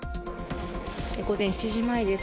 午前７時前です。